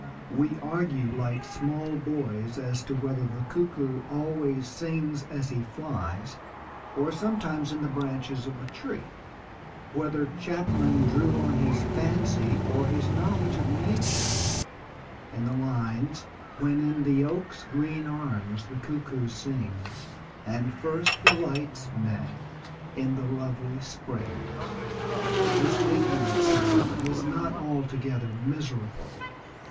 We argue like small boys as to whether the cuckoo always sings as he flies or sometimes in the branches of a tree whether Chapman drew on his fancy or his knowledge of nature in the lines: When in the oak's green arms the cuckoo sings, And first delights men in the lovely springs. This ignorance, however, is not altogether miserable.